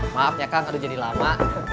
maaf ya kang udah jadi lama